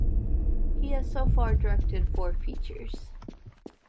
He has so far directed four features.